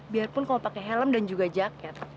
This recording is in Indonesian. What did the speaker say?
biarpun kalau pakai helm dan juga jaket